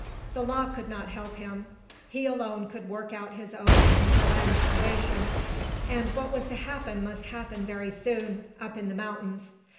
The law could not help him. He alone could work out his own and Joanne's salvation. And what was to happen must happen very soon up in the mountains.